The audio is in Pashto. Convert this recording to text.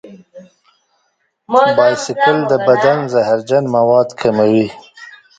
بایسکل د بدن زهرجن مواد کموي.